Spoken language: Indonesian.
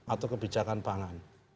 atau kebijakan pangan